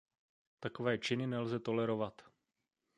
Takové činy nelze tolerovat.